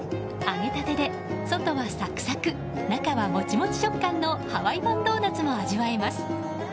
揚げたてで外はサクサク中はモチモチ触感のハワイ版ドーナツも味わえます。